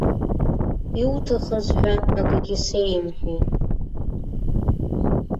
Иуҭахыз ҳәа акагьы сеимҳәеит.